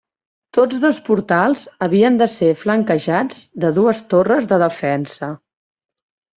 Tots dos portals havien de ser flanquejats de dues torres de defensa.